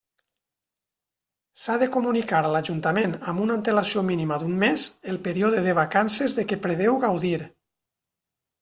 S'ha de comunicar a l'Ajuntament amb una antelació mínima d'un mes el període de vacances de què preveu gaudir.